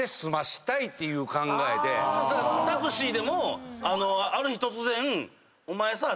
タクシーでもある日突然「お前さ」って言って。